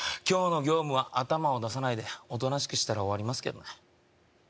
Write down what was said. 今日の業務は頭を出さないでおとなしくしてたら終わりますけどね